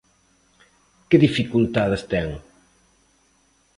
¿Que dificultades ten?